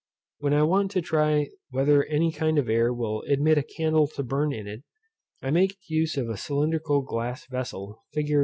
When I want to try whether any kind of air will admit a candle to burn in it, I make use of a cylindrical glass vessel, fig.